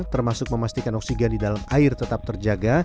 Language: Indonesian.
termasuk memastikan oksigen di dalam air tetap terjaga